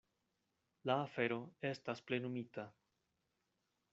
La afero estas plenumita.